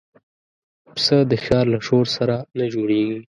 پسه د ښار له شور سره نه جوړيږي.